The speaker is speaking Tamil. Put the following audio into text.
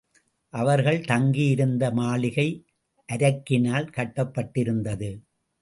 அவர்கள் தங்கி இருந்த மாளிகை அரக்கினால் கட்டப் பட்டிருந்தது.